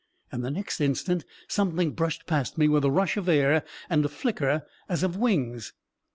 And the next instant, something brushed past me, with a rush of air, and a flicker as of wings